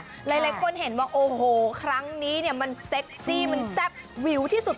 หลายคนเห็นว่าโอ้โหครั้งนี้เนี่ยมันเซ็กซี่มันแซ่บวิวที่สุด